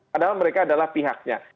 padahal mereka adalah pihaknya